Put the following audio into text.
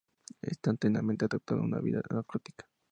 Está altamente adaptado a una vida acuática.